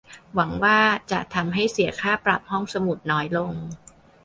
หวังว่าจะทำให้เสียค่าปรับห้องสมุดน้อยลง !